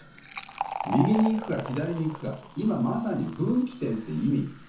右に行くか左に行くか今まさに分岐点って意味。